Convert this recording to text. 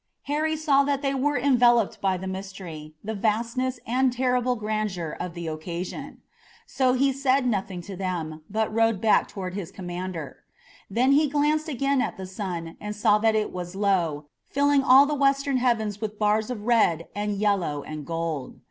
Harry saw that they were enveloped by the mystery, the vastness and the terrible grandeur of the occasion. So he said nothing to them, but rode back toward his commander. Then he glanced again at the sun and saw that it was low, filling all the western heavens with bars of red and yellow and gold.